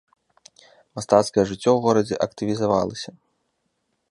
Мастацкае жыццё ў горадзе актывізавалася.